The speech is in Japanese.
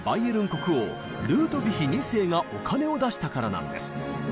国王ルートヴィヒ２世がお金を出したからなんです。